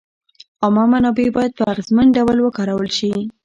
عامه منابع باید په اغېزمن ډول وکارول شي.